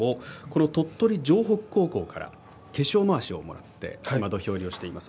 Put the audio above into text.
鳥取城北高校から化粧まわしをもらって今土俵入りをしています。